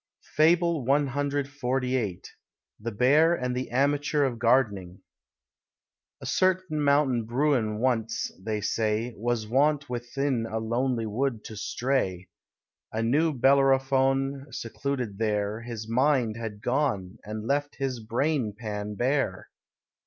FABLE CXLVIII. THE BEAR AND THE AMATEUR OF GARDENING. A certain Mountain Bruin once, they say, Was wont within a lonely wood to stray, A new Bellerophon secluded there, His mind had gone, and left his brain pan bare.